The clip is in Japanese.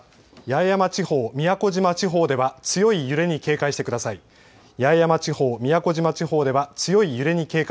八重山地方、宮古島地方では強い揺れに警戒してください。